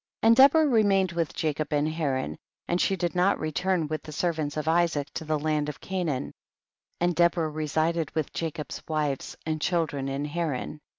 And Deborah remained with Jacob in Haran, and she did not re turn with ihe servants of Isaac to the land of Canaan, and Deborah resided with Jacob's wives and child ren in Haran.